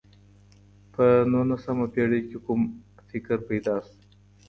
په نولسمه پېړۍ کي کوم فکر پيدا سو؟